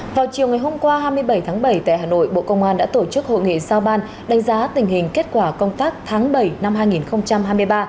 vào chiều ngày hôm qua hai mươi bảy tháng bảy tại hà nội bộ công an đã tổ chức hội nghị sao ban đánh giá tình hình kết quả công tác tháng bảy năm hai nghìn hai mươi ba